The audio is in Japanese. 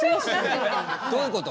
どういうこと？